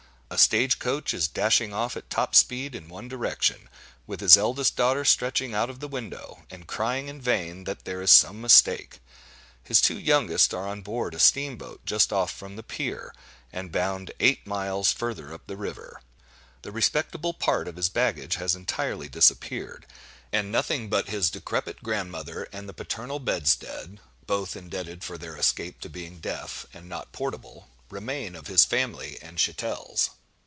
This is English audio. A stage coach is dashing off at top speed in one direction, with his eldest daughter stretching out of the window, and crying in vain that there is some mistake; his two youngest are on board a steam boat just off from the pier, and bound eight miles further up the river: the respectable part of his baggage has entirely disappeared; and nothing but his decrepit grandmother and the paternal bedstead (both indebted for their escape to being deaf, and not portable,) remain of his family and chattels.